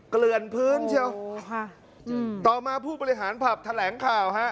เกลือนพื้นเชียวค่ะอืมต่อมาผู้บริหารผับแถลงข่าวฮะ